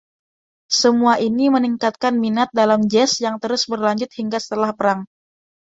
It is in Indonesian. Semuanya ini meningkatkan minat dalam jazz yang terus berlanjut hingga setelah perang.